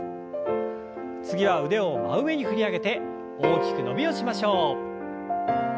次は腕を真上に振り上げて大きく伸びをしましょう。